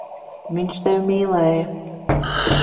Viņš tevi mīlēja.